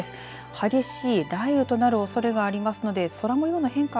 激しい雷雨となるおそれがありますので空もようの変化